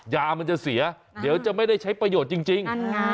ยามันจะเสียเดี๋ยวจะไม่ได้ใช้ประโยชน์จริง